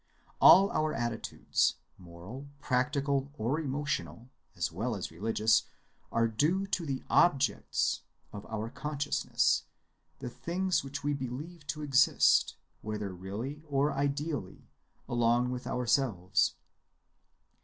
All our attitudes, moral, practical, or emotional, as well as religious, are due to the "objects" of our consciousness, the things which we believe to exist, whether really or ideally, along with ourselves.